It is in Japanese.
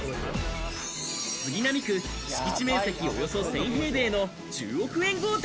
杉並区、敷地面積およそ１０００平米の１０億円豪邸。